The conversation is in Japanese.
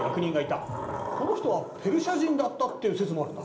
この人はペルシア人だったっていう説もあるんだ。